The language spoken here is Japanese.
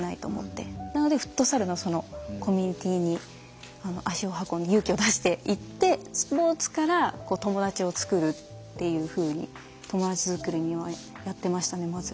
なのでフットサルのそのコミュニティーに足を運んで勇気を出して行ってスポーツから友達をつくるっていうふうに友達づくりをやってましたねまず。